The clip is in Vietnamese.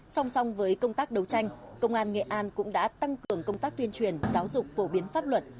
song song với công tác đấu tranh công an nghệ an cũng đã tăng cường công tác tuyên truyền giáo dục phổ biến pháp luật